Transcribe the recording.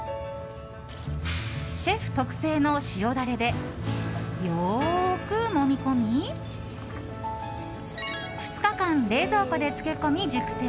シェフ特製の塩ダレでよくもみ込み２日間冷蔵庫で漬け込み、熟成。